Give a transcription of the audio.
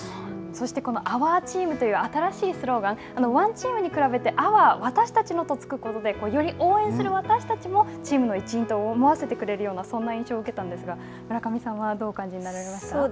そして、このアワーチームという新しいスローガン、ワンチームに比べて、アワー、私たちのとつくことで、応援する私たちもチームの一員と思わせてくれるようなそんな印象を受けたんですが村上さんはどうお感じになられましたか。